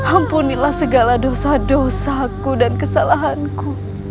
ampunilah segala dosa dosa aku dan kesalahanku